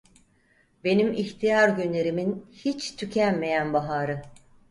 Benim ihtiyar günlerimin, hiç tükenmeyen baharı…